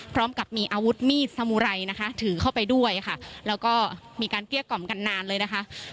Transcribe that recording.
พร้อมกับมีอาวุธมีดสมุไรนะคะถือเข้าไปด้วยค่ะแล้วก็มีการเกลี้ยกล่อมกันนานเลยนะคะ